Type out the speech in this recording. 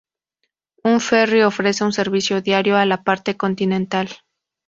Un ferry ofrece un servicio diario a la parte continental.